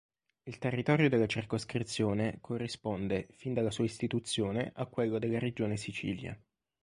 Il territorio della circoscrizione corrisponde, fin dalla sua istituzione, a quello della regione Sicilia.